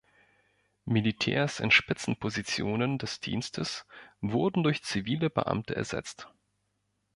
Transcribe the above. Militärs in Spitzenpositionen des Dienstes wurden durch zivile Beamte ersetzt.